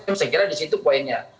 saya kira di situ poinnya